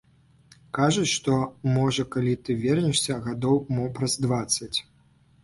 Кажуць, што можа калі ты вернешся, гадоў мо праз дваццаць.